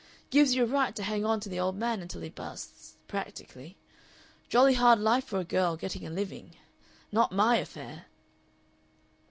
Gives you a right to hang on to the old man until he busts practically. Jolly hard life for a girl, getting a living. Not MY affair."